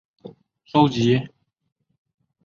收录三首新广东歌。